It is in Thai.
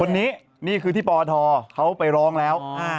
นี่คือที่ปทเขาไปร้องแล้ว